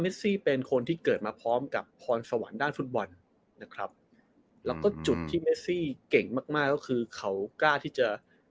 ซี่เป็นคนที่เกิดมาพร้อมกับพรสวรรค์ด้านฟุตบอลนะครับแล้วก็จุดที่เมซี่เก่งมากมากก็คือเขากล้าที่จะ